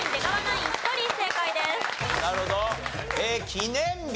記念日と。